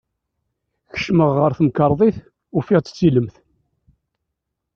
Kecmeɣ ɣer temkerḍit ufiɣ-tt d tilemt.